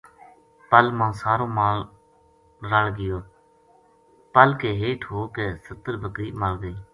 پَل ما سارو مال رَل گیو پل کے ہیٹھ ہو کے سَتر بکری مر گئی